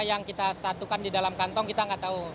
yang kita satukan di dalam kantong kita nggak tahu